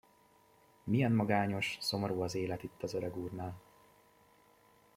Milyen magányos, szomorú az élet itt az öregúrnál!